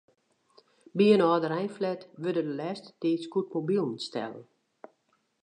By in âldereinflat wurde de lêste tiid scootmobilen stellen.